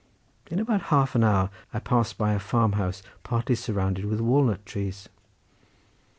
In about half an hour I passed by a farm house partly surrounded with walnut trees.